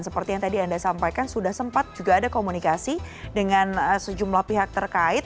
seperti yang tadi anda sampaikan sudah sempat juga ada komunikasi dengan sejumlah pihak terkait